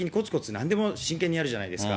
なんでも真剣にやるじゃないですか。